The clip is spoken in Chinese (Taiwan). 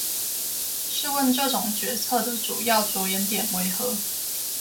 試問這種決策的主要著眼點為何？